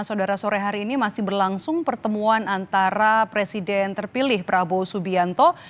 saudara sore hari ini masih berlangsung pertemuan antara presiden terpilih prabowo subianto